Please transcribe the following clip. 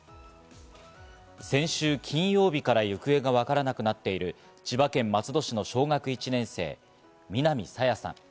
先週金曜日から行方がわからなくなっている、千葉県松戸市の小学１年生、南朝芽さん。